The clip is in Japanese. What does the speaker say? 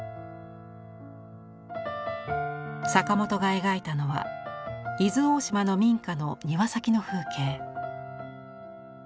坂本が描いたのは伊豆大島の民家の庭先の風景。